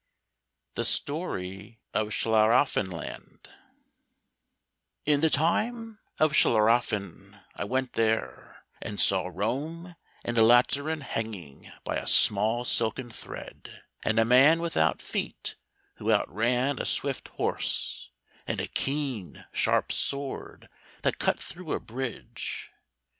158 The Story of Schlauraffen Land In the time of Schlauraffen I went there, and saw Rome and the Lateran hanging by a small silken thread, and a man without feet who outran a swift horse, and a keen sharp sword that cut through a bridge.